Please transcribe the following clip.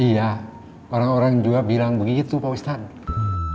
iya orang orang juga bilang begitu pak ustadz